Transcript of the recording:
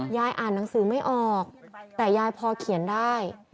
ยายอ่านหนังสือไม่ออกแต่ยายพอเขียนได้